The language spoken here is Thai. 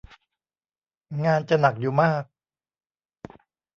งานจะหนักอยู่มาก